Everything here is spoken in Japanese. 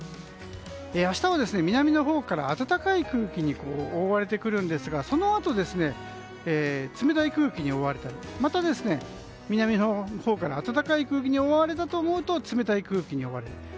明日は南のほうから暖かい空気に覆われてくるんですがそのあと冷たい空気に覆われたりまた南のほうから暖かい空気に覆われたと思うと冷たい空気に覆われる。